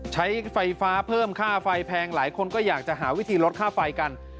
ใช้ไฟฟ้าเพิ่มค่าไฟแพงหลายคนก็อยากจะหาวิธีลดค่าไฟกัน